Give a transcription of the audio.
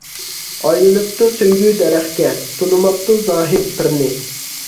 ئايلىنىپتۇ سۆيگۈ دەرەخكە، تونۇماپتۇ زاھىت پىرىنى.